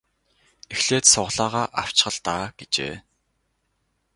Эхлээд сугалаагаа авчих л даа гэжээ.